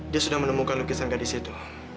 dia sudah menemukan lukisan gadis itu